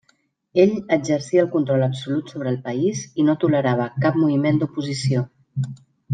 Ell exercia el control absolut sobre el país i no tolerava cap moviment d'oposició.